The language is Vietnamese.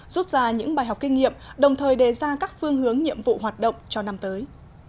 rút ra những bài học kinh nghiệm đồng thời đề ra các phương hướng nhiệm vụ hoạt động cho năm tới